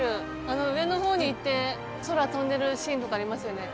あの上の方に行って空飛んでるシーンとかありますよね。